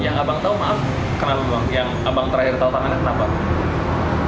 yang abang tahu maaf kenapa bang yang abang terakhir tahu tangannya kenapa